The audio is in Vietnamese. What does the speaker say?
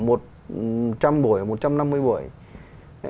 một trăm linh buổi một trăm năm mươi buổi